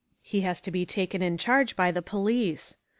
He has to be taken in charge by the police.